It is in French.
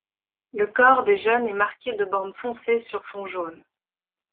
Le corps des jeunes est marqué de bandes foncées sur fond jaune.